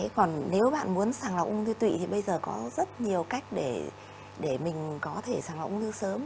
còn nếu bạn muốn sàng lọc ung thư tụy thì bây giờ có rất nhiều cách để mình có thể sàng lọc ung thư sớm